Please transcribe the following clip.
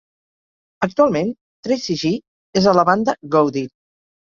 Actualment, Tracy G és a la banda Goad-ed.